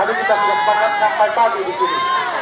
teman teman saya disini